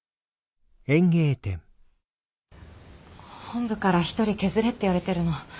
本部から１人削れって言われてるの。